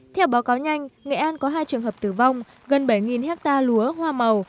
theo báo cáo nhanh nghệ an có hai trường hợp tử vong gần bảy hectare lúa hoa màu